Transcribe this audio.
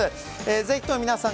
ぜひとも皆さん